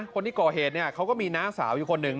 คนที่ก่อเหตุเนี่ยเขาก็มีน้าสาวอยู่คนหนึ่ง